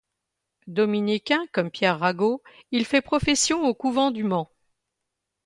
Dominicain comme Pierre Ragot, il fait profession au couvent du Mans.